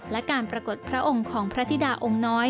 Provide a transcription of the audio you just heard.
และการปรากฏพระองค์ของพระธิดาองค์น้อย